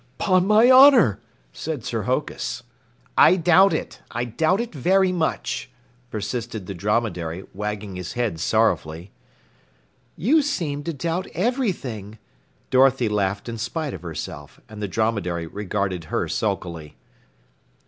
"Pon my honor," said Sir Hokus. "I doubt it, I doubt it very much," persisted the Dromedary, wagging his head sorrowfully. "You seem to doubt everything!" Dorothy laughed in spite of herself, and the Dromedary regarded her sulkily.